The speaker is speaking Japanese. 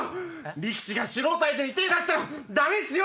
力士が素人相手に手出したらダメっすよ！